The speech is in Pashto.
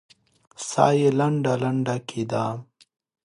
ساه يې لنډه لنډه کېده.